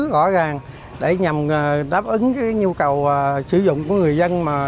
rõ ràng để nhằm đáp ứng nhu cầu sử dụng của người dân